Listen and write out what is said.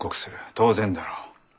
当然だろう？